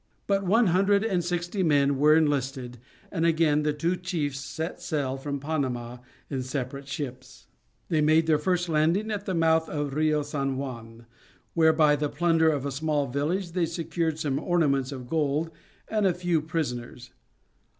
About one hundred and sixty men were enlisted, and again the two chiefs set sail from Panama in separate ships. They made their first landing at the mouth of the Rio San Juan, where by the plunder of a small village, they secured some ornaments of gold and a few prisoners.